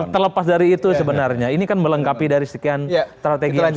terlepas dari itu sebenarnya ini kan melengkapi dari sekian strategi yang sudah